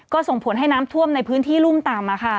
ก็ส่งผลให้น้ำท่วมในพื้นที่รุ่มต่ำ